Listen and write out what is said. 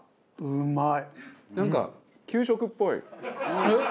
うまい。